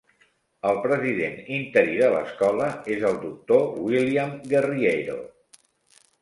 El president interí de l'escola és el doctor William Guerriero.